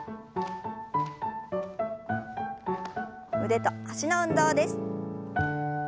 腕と脚の運動です。